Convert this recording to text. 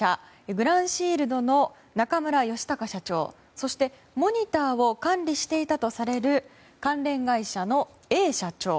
グランシールドの中村佳敬社長そしてモニターを管理していたとされる関連会社のＡ社長。